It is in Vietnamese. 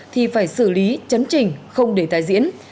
thì phải xử lý chấn trình không để tái diễn